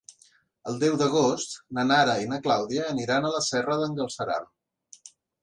El deu d'agost na Nara i na Clàudia aniran a la Serra d'en Galceran.